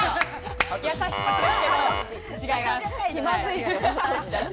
優しそうですけれども違います。